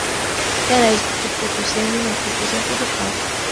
كانت جثّة سامي ملفوفة في لحاف.